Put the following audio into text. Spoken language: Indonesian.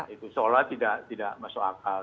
itu seolah tidak masuk akal